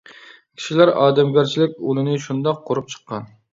كىشىلەر ئادەمگەرچىلىك ئۇلىنى شۇنداق قۇرۇپ چىققان.